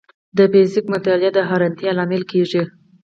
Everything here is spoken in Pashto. د فزیک مطالعه د حیرانتیا لامل کېږي.